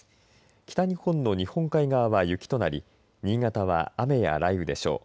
北日本の日本海側は雪となり新潟は雨や雷雨でしょう。